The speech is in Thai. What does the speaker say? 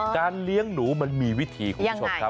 เลี้ยงหนูมันมีวิธีคุณผู้ชมครับ